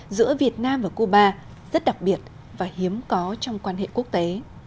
giữa việt nam và cuba rất đặc biệt và hiếm có trong quan hệ quốc tế